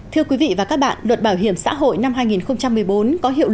thưa quý vị và các bạn luật bảo hiểm xã hội năm hai nghìn một mươi bốn có hiệu lực